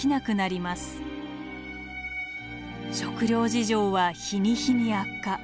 食糧事情は日に日に悪化。